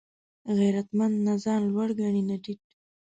غیرتمند نه ځان لوړ ګڼي نه ټیټ